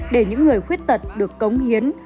để những người khuất tật được cống hiến